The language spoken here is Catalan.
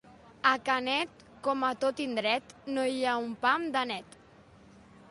A Canet, com a tot indret, no hi ha un pam de net.